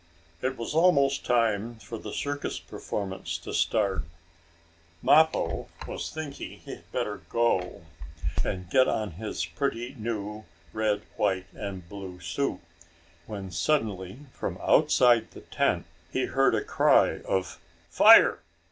It was almost time for the circus performance to start. Mappo was thinking he had better go, and get on his pretty new red, white and blue suit, when suddenly, from outside the tent, he heard the cry of: "Fire!